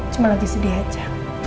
cuma lagi sedih aja